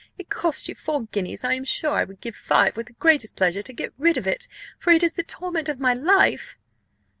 It cost you four guineas: I am sure I would give five with the greatest pleasure to get rid of it, for it is the torment of my life."